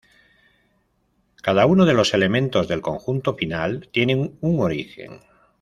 Cada uno de los elementos del conjunto final tiene un origen.